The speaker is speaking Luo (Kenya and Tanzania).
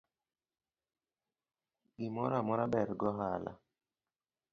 Gimoro amora ber gohala